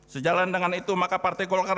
sejalan dengan itu maka partai golkar